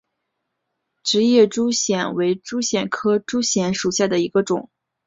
直叶珠藓为珠藓科珠藓属下的一个种。